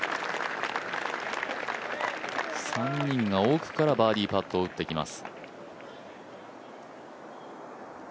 ３人が奥からバーディーパットを打ってきます。